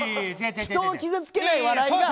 人を傷つけない笑いが。